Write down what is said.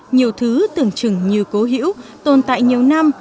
nhiều thứ tưởng chừng như cố hữu tồn tại nhiều năm